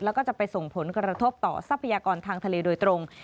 แล้วก็จะไปส่งผลกระทบต่อทรัพยากรทางทะเลโดยตรง